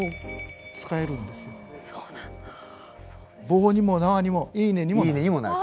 棒にも縄にも「いいね」にもなる。